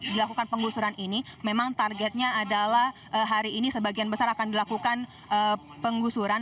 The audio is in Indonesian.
dilakukan penggusuran ini memang targetnya adalah hari ini sebagian besar akan dilakukan penggusuran